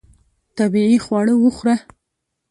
طبیعي خواړه وخوره.